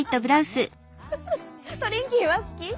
トリンキーは好き？